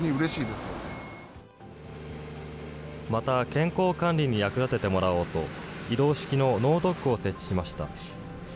また、健康管理に役立ててもらおうと、移動式の脳ドックを設置しました。